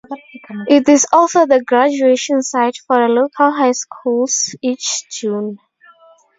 It is also the graduation site for the local high schools each June.